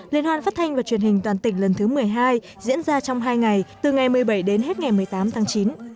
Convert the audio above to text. liên hoan phát thanh và truyền hình toàn tỉnh lần thứ một mươi hai diễn ra trong hai ngày từ ngày một mươi bảy đến hết ngày một mươi tám tháng chín